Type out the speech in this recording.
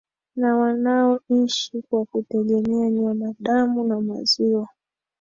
na wanaoishi kwa kutegemea nyama damu na maziwa